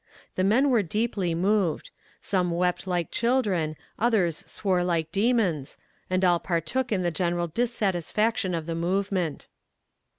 The men were deeply moved; some wept like children, others swore like demons, and all partook in the general dissatisfaction of the movement.